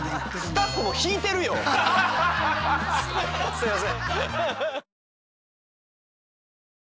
すいません。